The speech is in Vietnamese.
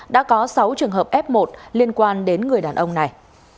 đã có sáu trường hợp f một liên quan đến người đàn ông này